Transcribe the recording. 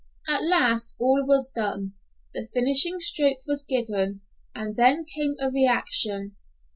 At last all was done; the finishing stroke was given, and then came a reaction.